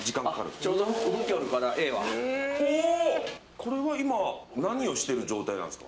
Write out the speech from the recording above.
これは今何をしてる状態なんですか。